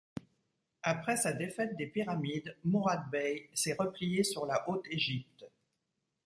Après sa défaite des Pyramides, Mourad Bey s'est replié sur la Haute-Égypte.